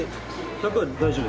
１００は大丈夫？